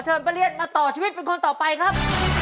ป้าเลียนมาต่อชีวิตเป็นคนต่อไปครับ